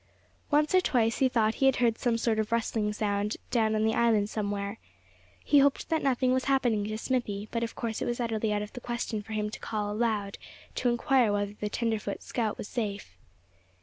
Once or twice he thought he heard some sort of rustling sound down on the island somewhere. He hoped that nothing was happening to Smithy; but of course it was utterly out of the question for him to call aloud, to inquire whether the tenderfoot scout was safe.